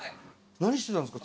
何してたんですか？